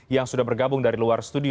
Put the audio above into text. yang sudah bergabung dari luar studio